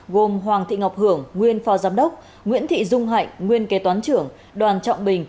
gồm hoàng thị ngọc hưởng nguyên phó giám đốc nguyễn thị dung hạnh nguyên kế toán trưởng đoàn trọng bình